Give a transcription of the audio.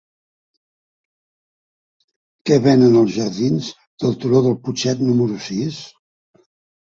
Què venen als jardins del Turó del Putxet número sis?